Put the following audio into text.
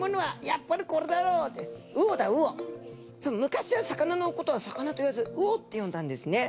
昔は魚のことは魚と言わず魚ってよんだんですね。